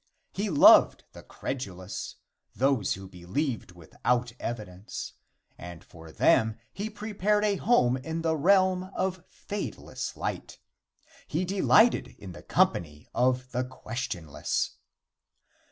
He loved the credulous those who believed without evidence and for them he prepared a home in the realm of fadeless light. He delighted in the company of the questionless.